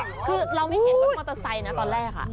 คือเราไม่เห็นรถมอเตอร์ไซค์นะตอนแรก